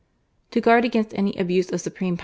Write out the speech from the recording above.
"^ To guard against any abuse of supreme power